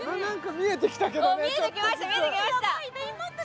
見えてきました